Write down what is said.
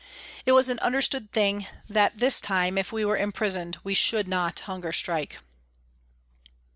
It was an understood thing that this time, if we were imprisoned, we should not hunger strike.